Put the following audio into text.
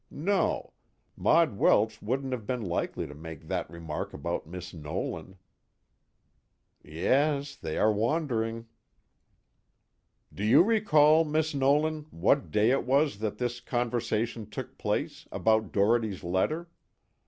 No: Maud Welsh wouldn't have been likely to make that remark about Miss Nolan. Yes, they are wandering. "Do you recall, Miss Nolan, what day it was that this conversation took place, about Doherty's letter?"